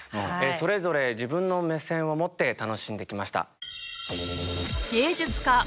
それぞれ自分の目線を持って楽しんできました。